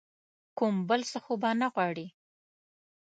کوم بل څه خو به نه غواړې ؟